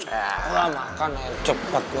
udah makan iyan cepet lo